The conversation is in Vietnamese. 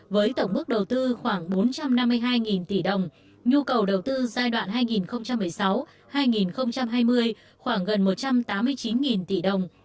với tổng mức đầu tư khoảng bốn trăm năm mươi hai tỷ đồng nhu cầu đầu tư giai đoạn hai nghìn một mươi sáu hai nghìn hai mươi khoảng gần một trăm tám mươi chín tỷ đồng